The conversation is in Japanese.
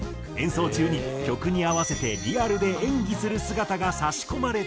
演奏中に曲に合わせてリアルで演技する姿が差し込まれていく。